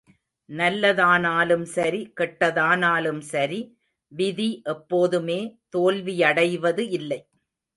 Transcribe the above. நல்லதானாலும் சரி கெட்டதானாலும் சரி, விதி எப்போதுமே தோல்வியடைவது இல்லை.